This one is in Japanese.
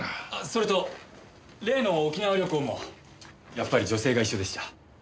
それと例の沖縄旅行もやっぱり女性が一緒でした。